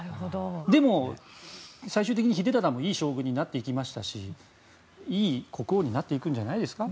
でも、最終的に秀忠もいい将軍になっていきましたしいい国王になっていくんじゃないですか。